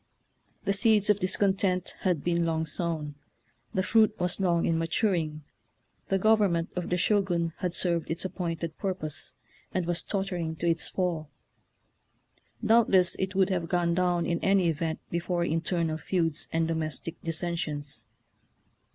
The seeds of discontent had been long sown, the fruit was long in matur ing. The government of the Shogun had served its appointed pu'rpose, and was tottering to its fall. Doubtless it would have gone down in any event before internal feuds and domestic dis sensions.